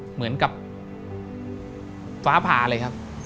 เหมือนกับฟ้าผ่าเลยครับ